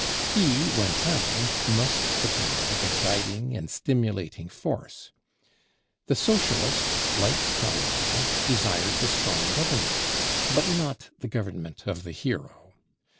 He, when found, must supply the guiding and stimulating force. The Socialist, like Carlyle, desires a strong government, but not the government of the "hero."